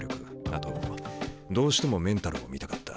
あとどうしてもメンタルを見たかった。